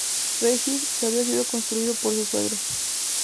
Regis, que había sido construido por su suegro.